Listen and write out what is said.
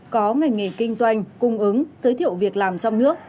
có ngành nghề kinh doanh cung ứng giới thiệu việc làm trong nước